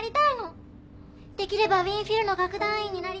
できればウィーンフィルの楽団員になりたいの。